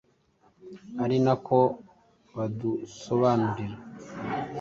ari na ko badusobanurira.